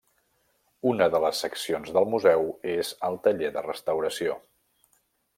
Una de les seccions del museu és el taller de restauració.